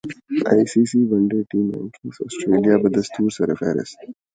I C C one day team ranking Australia بدستورسرفہرست